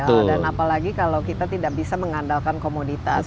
dan apalagi kalau kita tidak bisa mengandalkan komoditas